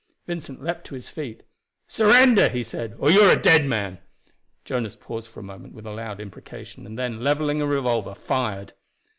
Vincent leaped to his feet. "Surrender," he said, "or you are a dead man." Jonas paused for a moment with a loud imprecation, and then leveling a revolver, fired.